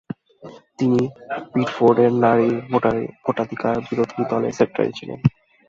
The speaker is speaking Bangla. তিনি পিটফোর্ডের নারী ভোটাধিকার বিরোধী দলের সেক্রেটারি ছিলেন।